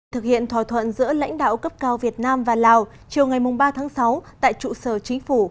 thực hiện thỏa thuận giữa lãnh đạo cấp cao việt nam và lào chiều ngày ba tháng sáu tại trụ sở chính phủ